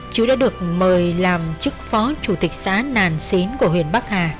chứ đã được mời làm chức phó chủ tịch xã nàn xín của huyện bắc hà